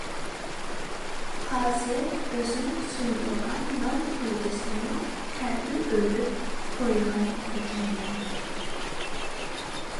ھازىر ئۆزۈم سۇندۇرغان نان بۇردىسىنى تەتۈر ئۆرۈپ قويغانىكەنمەن.